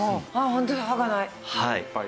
ホントだ歯がない。